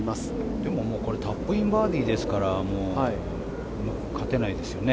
でもこれタップインバーディーですからもう勝てないですよね。